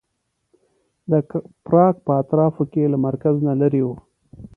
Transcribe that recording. د پراګ په اطرافو کې له مرکز نه لرې و.